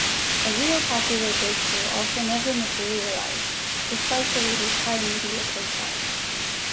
A real popular breakthrough also never materialised, despite the leader's high media profile.